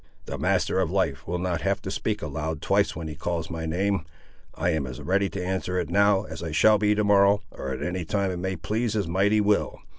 The Master of Life will not have to speak aloud twice when he calls my name. I am as ready to answer to it now, as I shall be to morrow, or at any time it may please his mighty will.